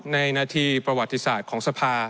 นาทีประวัติศาสตร์ของสภา